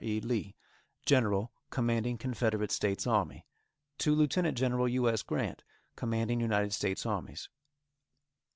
E. LEE, General Commanding Confederate States Army. _To Lieut. Gen. U. S. Grant, Commanding United States Armies.